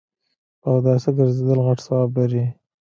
په اوداسه ګرځیدل غټ ثواب لري